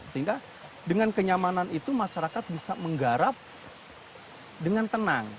sehingga dengan kenyamanan itu masyarakat bisa menggarap dengan tenang